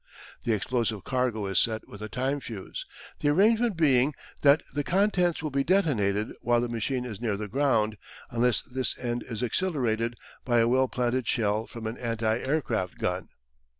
The explosive cargo is set with a time fuse, the arrangement being that the contents will be detonated while the machine is near the ground, unless this end is accelerated by a well planted shell from an anti aircraft gun.